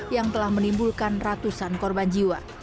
yang telah menimbulkan ratusan korban jiwa